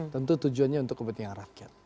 tentu tujuannya untuk kepentingan rakyat